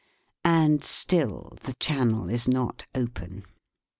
And still the channel is not open.